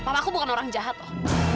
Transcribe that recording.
papaku bukan orang jahat om